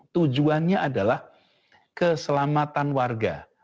tujuannya adalah keselamatan warga